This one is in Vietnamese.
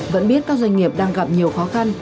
vẫn biết các doanh nghiệp đang gặp nhiều khó khăn